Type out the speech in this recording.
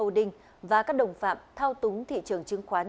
đỗ đức nam